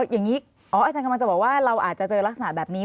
อย่างนี้อ๋ออาจารย์กำลังจะบอกว่าเราอาจจะเจอลักษณะแบบนี้